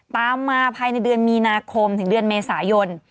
ตามมาภายในเดือนมีนาคมถึงเดือนเมษายน